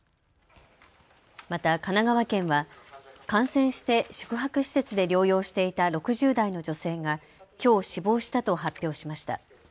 また神奈川県は感染して宿泊施設で療養していた６０代の女性がきょう、死亡したと発表しました。